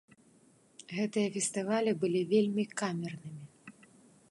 Гэтыя фестывалі былі вельмі камернымі.